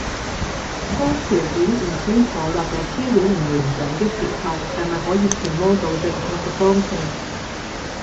當條件唔清楚或者資料不完整嘅時候，係咪可以揣摩到正確嘅方向